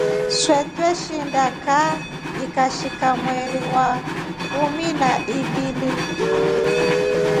Swee trweshinda kaa ikashika mweri wa ikumi ha ivili.